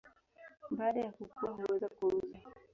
Baada ya kukua huweza kuuzwa.